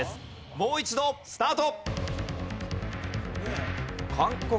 もう一度スタート！